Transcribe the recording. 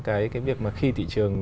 cái việc mà khi thị trường